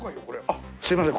あっすいません